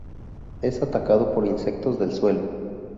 Es atacado por insectos del suelo.